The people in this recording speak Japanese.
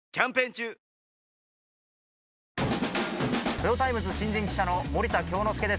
トヨタイムズ新人記者の森田京之介です。